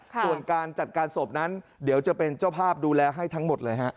ส่วนการจัดการศพนั้นเดี๋ยวจะเป็นเจ้าภาพดูแลให้ทั้งหมดเลยฮะ